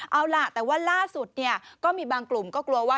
เอาล่ะแต่ว่าล่าสุดเนี่ยก็มีบางกลุ่มก็กลัวว่า